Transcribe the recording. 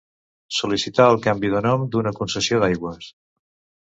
Sol·licitar el canvi de nom d'una concessió d'aigües.